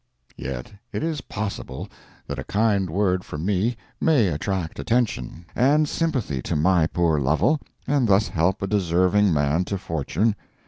Yet it is possible that a kind word from me may attract attention and sympathy to my poor Lovel, and thus help a deserving man to fortune.